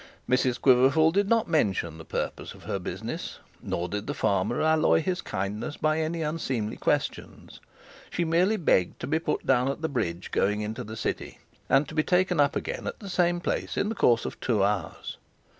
Mrs Quiverful did not mention the purpose of her business, nor did the farmer alloy his kindness by any unseemly questions. She merely begged to be put down at the bridge going into the city, and to be taken up again at the same place in the course of two hours.